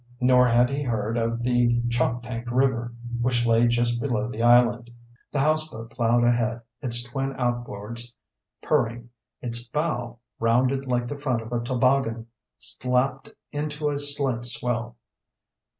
Nor had he heard of the Choptank River, which lay just below the island. The houseboat plowed ahead, its twin outboards purring. Its bow, rounded like the front of a toboggan, slapped into a slight swell.